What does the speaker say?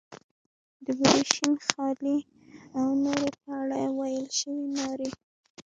د بورې، شین خالۍ او نورو په اړه ویل شوې نارې.